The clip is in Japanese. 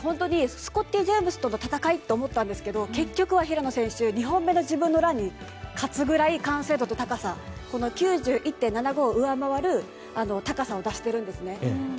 スコッティ・ジェームズとの戦いと思ったんですけど結局は平野選手２本目の自分のランに勝つぐらい完成度と、９１．７５を上回る高さを出しているんです。